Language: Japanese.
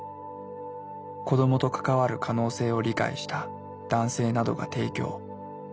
子どもと関わる可能性を理解した男性などが提供。